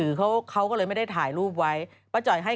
เพราะว่าตอนนี้ก็ไม่มีใครไปข่มครูฆ่า